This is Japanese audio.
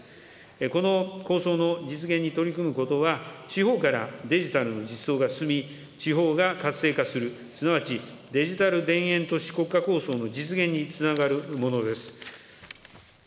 この構想の実現に取り組むことは、地方からデジタルの実装が進み、地方が活性化する、すなわちデジタル田園都市国家構想の実現につながるものです。